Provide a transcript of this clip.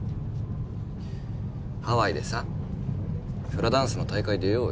ハワイでさフラダンスの大会出ようよ。